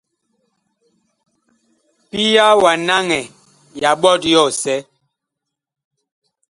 Pia wa naŋɛ ya ɓɔt yɔsɛ.